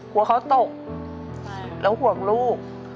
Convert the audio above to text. กลัวเขาตกแล้วห่วงลูก